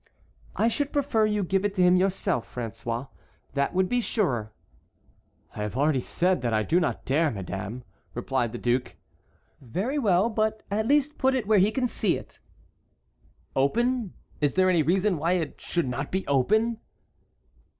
"I should prefer you to give it to him yourself, François, that would be surer." "I have already said that I do not dare, madame," replied the duke. "Very well; but at least put it where he can see it." "Open? Is there any reason why it should not be open?"